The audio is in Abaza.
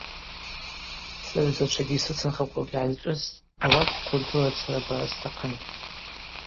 Сыгӏвзачвагьи йсыцынхаквауагьи гӏазшӏысттӏ, ауат хӏкультура дсырбара стахъын.